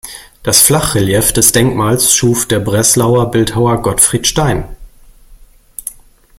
Das Flachrelief des Denkmals schuf der Breslauer Bildhauer Gottfried Stein.